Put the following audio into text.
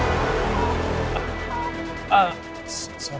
di sekolah organizasinya posisi baru itu buat ngurus ngurus